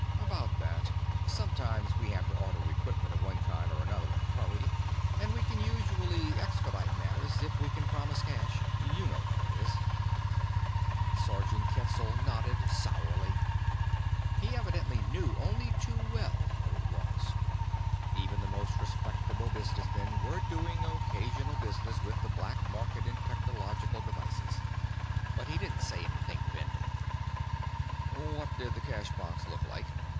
"About that. Sometimes we have to order equipment of one kind or another in a hurry, and we can usually expedite matters if we can promise cash. You know how it is." Sergeant Ketzel nodded sourly. He evidently knew only too well how it was. Even the most respectable businessmen were doing occasional business with the black market in technological devices. But he didn't say anything to Bending. "What did the cash box look like?"